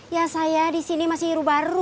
ya saya di sini masih nyuruh baru